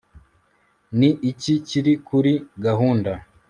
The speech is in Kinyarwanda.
Ni iki kiri kuri gahunda